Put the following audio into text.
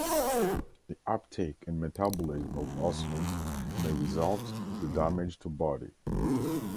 The uptake and metabolism of arsenic may result the damage to body.